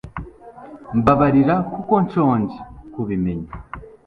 Mbabarira kuko nshonje kubimenya